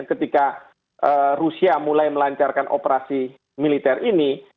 ketika rusia mulai melancarkan operasi militer ini